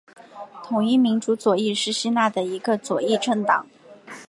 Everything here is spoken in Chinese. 统一民主左翼是希腊的一个左翼政党。